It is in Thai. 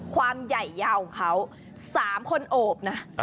ความใหญ่ยาวของเขา๓คนโอบนะ